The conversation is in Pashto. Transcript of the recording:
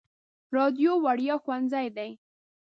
راډیو وړیا ښوونځی دی.